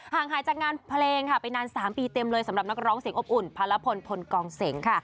งหายจากงานเพลงค่ะไปนาน๓ปีเต็มเลยสำหรับนักร้องเสียงอบอุ่นพารพลพลกองเสียงค่ะ